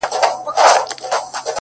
يو نه دی چي و تاته په سرو سترگو ژاړي ـ